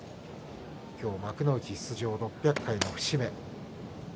今日幕内出場６００回の節目。